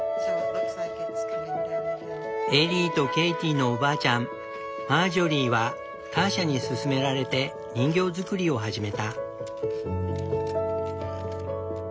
エリーとケイティのおばあちゃんマージョリーはターシャに勧められて人形作りを始めた。